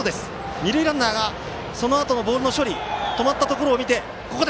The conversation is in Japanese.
二塁ランナーがそのあとのボールの処理止まったところを見て。